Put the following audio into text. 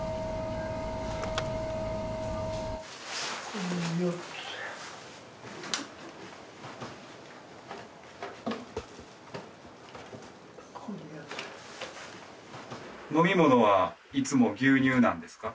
これ４つこれ４つ飲み物はいつも牛乳なんですか？